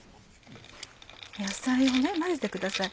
野菜を混ぜてください。